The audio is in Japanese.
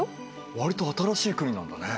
割と新しい国なんだね。